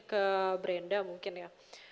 ke brenda mungkin ya